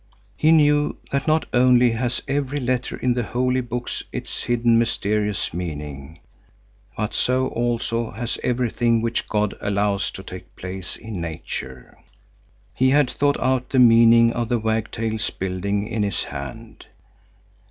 He knew that not only has every letter in the holy books its hidden, mysterious meaning, but so also has everything which God allows to take place in nature. He had thought out the meaning of the wagtails building in his hand.